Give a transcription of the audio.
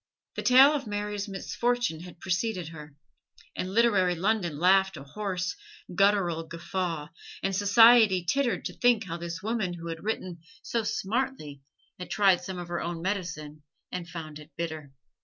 The tale of Mary's misfortune had preceded her, and literary London laughed a hoarse, guttural guffaw, and society tittered to think how this woman who had written so smartly had tried some of her own medicine and found it bitter.